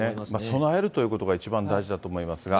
備えるということが一番大事だと思いますが。